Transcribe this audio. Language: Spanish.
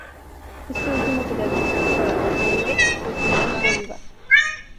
Este último sería tatarabuelo de Simón Bolívar.